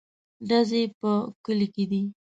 _ډزې په کلي کې دي.